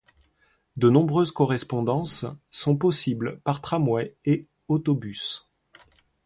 De nombreuses correspondances sont possibles par tramway et autobus.